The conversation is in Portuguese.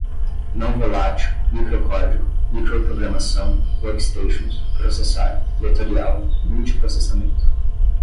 não-volátil, microcódigo, microprogramação, workstations, processar, vetorial, multiprocessamento